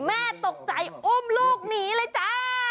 แม่ตกใจอุ้มลูกหนีเลยจ้า